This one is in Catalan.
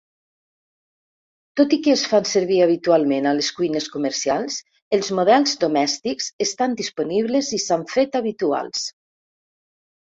Tot i que es fan servir habitualment a les cuines comercials, els models domèstics estan disponibles i s'han fet habituals.